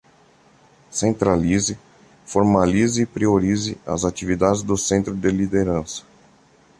Centralize, formalize e priorize as atividades do Centro de Liderança.